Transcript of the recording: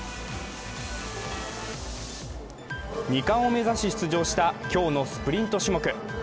２冠を目指し出場した今日のスプリント種目。